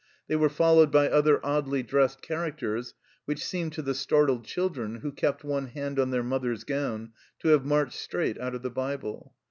They were fol lowed by other oddly dressed characters, which seemed to the startled children, who kept one hand on their mother's gown, to have marched straight out of the Bible.